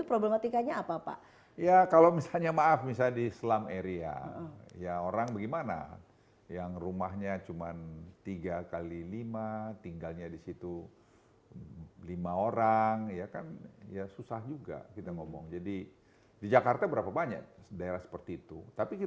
research ada badan pom